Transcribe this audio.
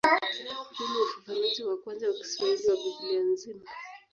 Huu ni ufafanuzi wa kwanza wa Kiswahili wa Biblia nzima.